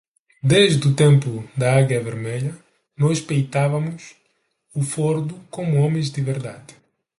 Desde o tempo da águia vermelha, nós peitamos o fardo como homens de verdade